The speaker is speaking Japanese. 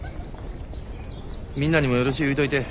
みんなにもよろしゅう言うといて。